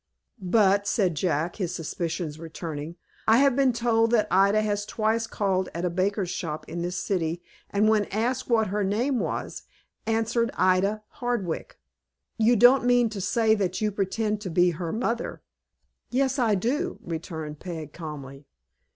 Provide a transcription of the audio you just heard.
"But," said Jack, his suspicions returning, "I have been told that Ida has twice called at a baker's shop in this city, and, when asked what her name was, answered Ida Hardwick.' You don't mean to say that you pretend to be her mother?" "Yes, I do," returned Peg, calmly.